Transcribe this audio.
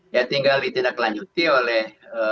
ya tinggal ditindaklanjuti oleh